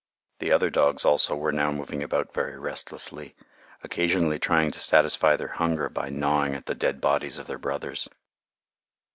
The other dogs also were now moving about very restlessly, occasionally trying to satisfy their hunger by gnawing at the dead bodies of their brothers.